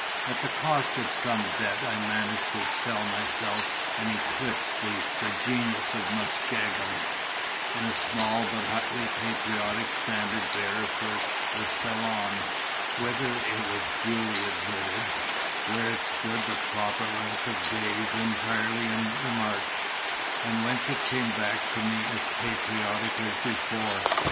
At the cost of some debt I managed to excel myself and eclipse the Genius of Muskegon, in a small but highly patriotic Standard Bearer for the Salon; whither it was duly admitted, where it stood the proper length of days entirely unremarked, and whence it came back to me as patriotic as before.